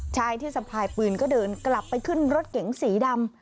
ชายที่สะพายปืนก็เดินกลับไปขึ้นรถเก๋งสีดำ